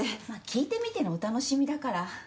まあ聴いてみてのお楽しみだから。